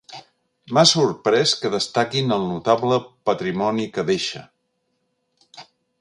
M'ha sorprès que destaquin el notable patrimoni que deixa.